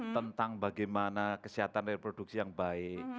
tentang bagaimana kesehatan reproduksi yang baik